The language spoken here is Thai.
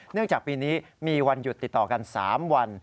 จากปีนี้มีวันหยุดติดต่อกัน๓วัน